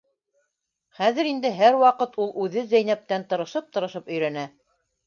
Хәҙер инде һәр ваҡыт ул үҙе Зәйнәптән тырышып-тырышып өйрәнә.